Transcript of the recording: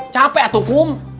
capek tuh kum